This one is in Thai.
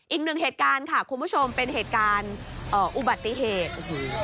อีกหนึ่งเหตุการณ์ค่ะคุณผู้ชมเป็นเหตุการณ์อุบัติเหตุโอ้โห